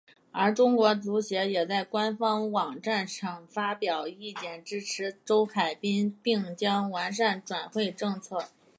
而中国足协也在官方网站上发表意见支持周海滨并将完善转会政策。